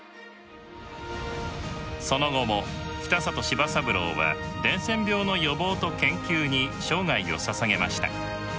その後も北里柴三郎は伝染病の予防と研究に生涯をささげました。